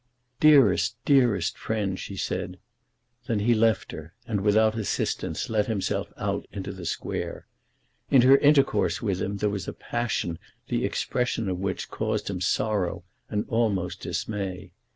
"Dearest, dearest friend," she said. Then he left her, and without assistance, let himself out into the square. In her intercourse with him there was a passion the expression of which caused him sorrow and almost dismay.